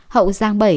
hậu giang bảy